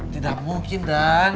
tidak mungkin dang